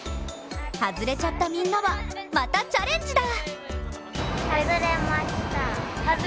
外れちゃったみんなは、またチャレンジだ！